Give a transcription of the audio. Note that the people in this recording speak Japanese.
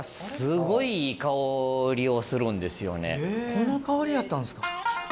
この香りやったんですか。